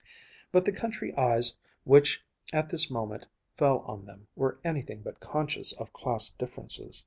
But the country eyes which at this moment fell on them were anything but conscious of class differences.